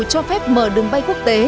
cho phép mở đường bay quốc tế